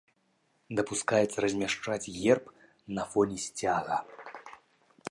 Дапускаецца размяшчаць герб на фоне сцяга.